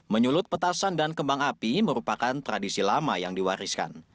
menyulut petasan dan kembang api merupakan tradisi lama yang diwariskan